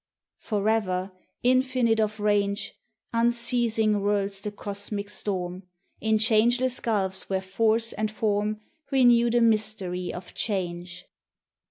Forever, infinite of range, Unceasing whirls the cosmic storm, In changeless gulfs where Force and Form Renew the mystery of change.